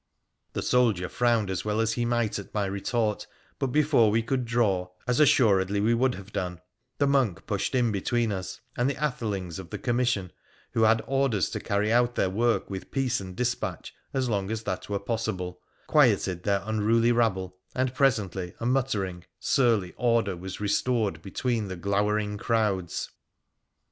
The soldier frowned, as well he might, at my retort, but before we could draw, as assuredly we would have done, the monk pushed in between us, and the athelings of the com mission, who had orders to carry out their work with peace and dispatch as long as that were possible, quieted their unruly rabble, and presently a muttering, surly order was restored between the glowering crowds.